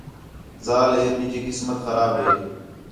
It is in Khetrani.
ذال ہِے مینجی قسمت خراب ہِے